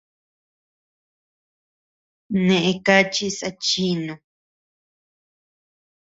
Nee kachis achinu.